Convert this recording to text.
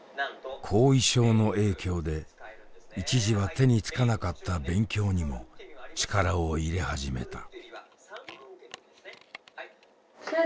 後遺症の影響で一時は手につかなかった勉強にも力を入れ始めた。